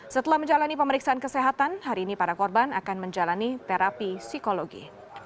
setelah menjalani pemeriksaan kesehatan hari ini para korban akan menjalani terapi psikologi